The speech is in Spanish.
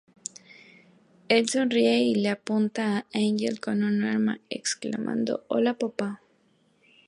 Él sonríe y le apunta a Angel con un arma, exclamando, "Hola Papá.